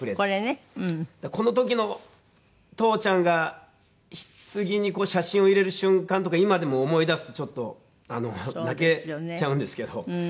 この時の父ちゃんがひつぎに写真を入れる瞬間とか今でも思い出すとちょっと泣けちゃうんですけど。